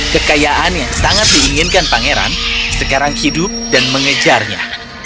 kekayaan yang sangat diinginkan pangeran sekarang hidup dan mengejarnya